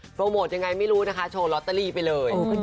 โมทยังไงไม่รู้นะคะโชว์ลอตเตอรี่ไปเลย